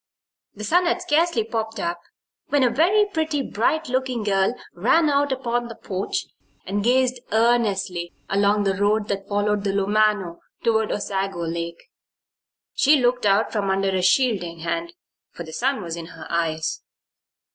The sun had scarcely popped up when a very pretty, bright looking girl ran out upon the porch and gazed earnestly along the road that followed the Lumano toward Osago Lake. She looked out from under a shielding hand, for the sun was in her eyes.